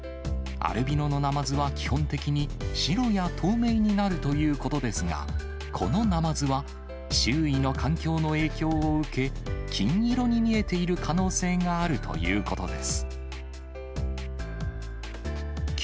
アルビノのナマズは基本的に白や透明になるということですが、このナマズは周囲の環境の影響を受け、金色に見えている可能性があるということです。